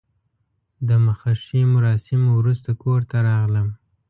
د مخه ښې مراسمو وروسته کور ته راغلم.